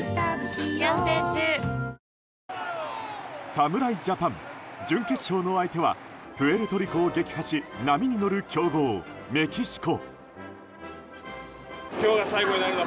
侍ジャパン、準決勝の相手はプエルトリコを撃破し波に乗る強豪メキシコ。